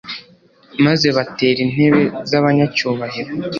maze batera intebe z'abanyacyubahiro